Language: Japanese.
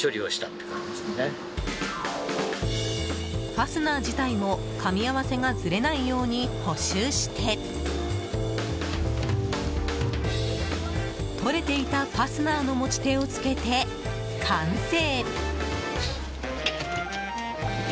ファスナー自体もかみ合わせがずれないように補修してとれていたファスナーの持ち手をつけて完成。